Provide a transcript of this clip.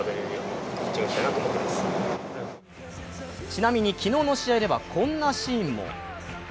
ちなみに、昨日の試合ではこんなシーンも。